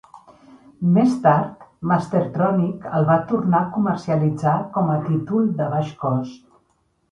Més tard, Mastertronic el va tornar a comercialitzar com a títol de baix cost.